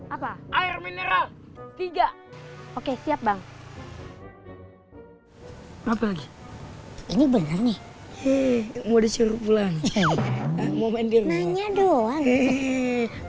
apa air mineral tiga oke siap bang apa lagi ini benang nih hei udah suruh pulang momennya doang